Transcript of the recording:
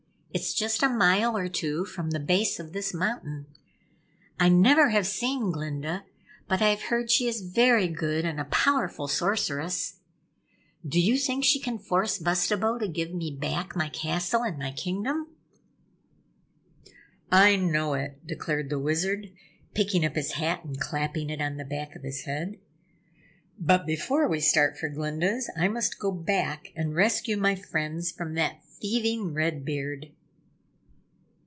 It's just a mile or two from the base of this mountain. I never have seen Glinda, but I have heard she is very good and a Powerful Sorceress. Do you think she can force Bustabo to give me back my castle and my Kingdom?" "I know it!" declared the Wizard, picking up his hat and clapping it on the back of his head. "But before we start for Glinda's, I must go back and rescue my friends from that thieving Red Beard."